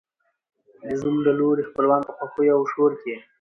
د زوم د لوري خپلوان په خوښیو او شور کې